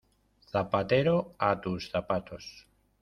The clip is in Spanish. Zapatero a tus zapatos.